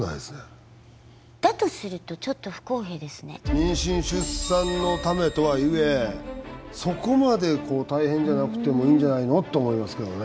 妊娠出産のためとはいえそこまで大変じゃなくてもいいんじゃないのと思いますけどね。